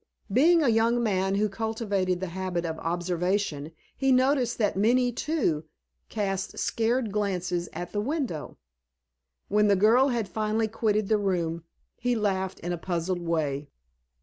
Being a young man who cultivated the habit of observation, he noticed that Minnie, too, cast scared glances at the window. When the girl had finally quitted the room, he laughed in a puzzled way.